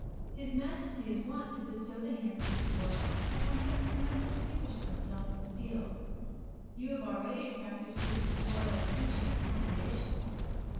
His majesty is wont to bestow the hands of his wards upon those who most distinguish themselves in the field. You have already attracted his royal attention and commendation.